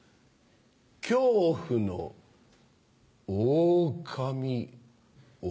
恐怖のおおかみ男。